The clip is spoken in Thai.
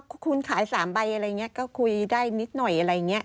คุณขาย๓ใบอะไรอย่างนี้ก็คุยได้นิดหน่อยอะไรอย่างนี้